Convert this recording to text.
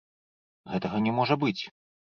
Гэтага не можа быць.